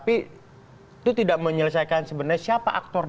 itu tidak menyelesaikan sebenarnya siapa aktor